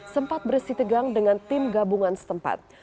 sempat bersih tegang dengan tim gabungan setempat